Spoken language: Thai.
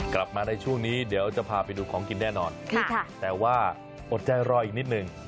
กลับมาในช่วงนี้เดี๋ยวจะพาไปดูของกินแน่นอนแต่ว่าอดใจรออีกนิดนึง